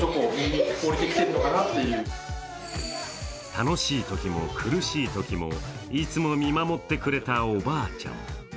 楽しいときも苦しいときもいつも見守ってくれたおばあちゃん。